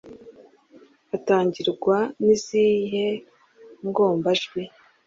Atangirwa n’izihe ngombajwi?